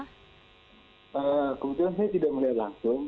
kebetulan saya tidak melihat langsung